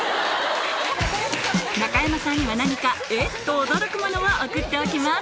中山さんには何かえっ？と驚くものを送っておきます